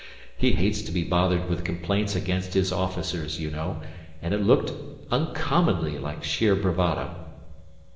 He hates to be bothered with complaints against his officers, you know. And it looked uncommonly like sheer bravado."